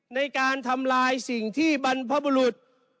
ในการทำลายสิ่งที่บรรพบุรุษ